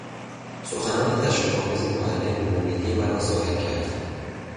سخنان تشویق آمیز معلم نومیدی مرا زائل کرد.